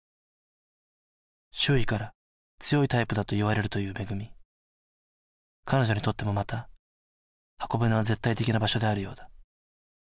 周囲から強いタイプだと言われるという恵彼女にとってもまた方舟は絶対的な場所であるようだ